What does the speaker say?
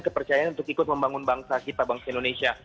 kepercayaan untuk ikut membangun bangsa kita bangsa indonesia